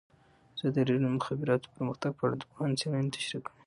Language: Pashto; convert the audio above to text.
ازادي راډیو د د مخابراتو پرمختګ په اړه د پوهانو څېړنې تشریح کړې.